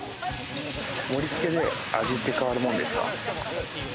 盛り付けで味って変わるもんですか？